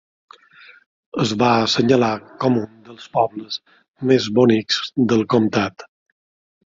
Es va assenyalar com un dels pobles més bonics del comtat.